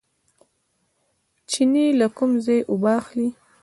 چینې له کوم ځای اوبه اخلي؟